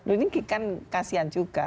ini kan kasian juga